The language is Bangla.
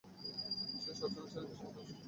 সে সব সময় ছেলেটার সমর্থনে ছিল।